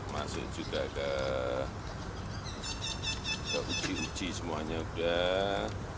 masih juga ke uji uji semuanya sudah